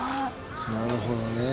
なるほどね。